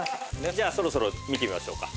じゃあそろそろ見てみましょうか。